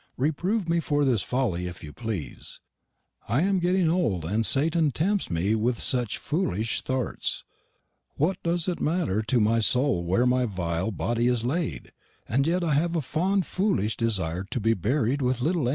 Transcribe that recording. Reproove me for this folley if you plese. I am getting olde, and Sattan temts me with seche fooleish thorts. Wot dose it matter to my sole wear my vile bodie is laid? and yet I have a fonde fooleish desier to be berrid with littel M."